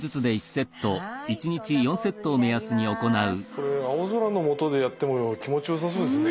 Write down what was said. これ青空のもとでやっても気持ちよさそうですね。